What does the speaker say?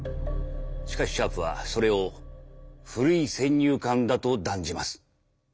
しかしシャープはそれを「古い先入観」だと断じます。